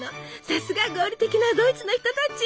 さすが合理的なドイツの人たち！